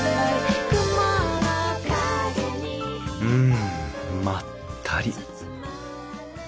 うんまったり。